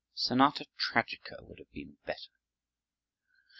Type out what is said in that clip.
Sonata Tragica would have been better.